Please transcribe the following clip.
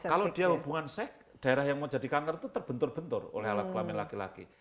kalau dia hubungan seks daerah yang mau jadi kanker itu terbentur bentur oleh alat kelamin laki laki